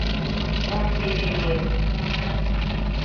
Мом перегет